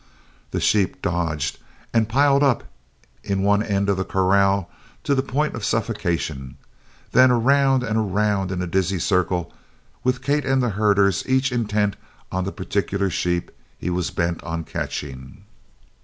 The sheep dodged and piled up in one end of the corral to the point of suffocation, then around and around in a dizzy circle, with Kate and the herders each intent on the particular sheep he was bent on catching.